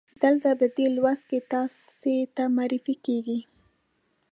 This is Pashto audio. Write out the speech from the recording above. دلته په دې لوست کې تاسې ته معرفي کیږي.